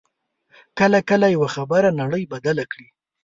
کله کله یوه خبره نړۍ بدله کړي